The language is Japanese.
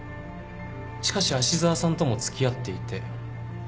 しかし芦沢さんとも付き合っていて脅されていた。